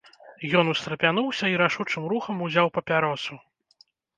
Ён устрапянуўся і рашучым рухам узяў папяросу.